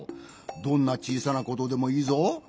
どんなちいさなことでもいいぞ。